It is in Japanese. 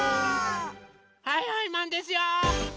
はいはいマンですよ！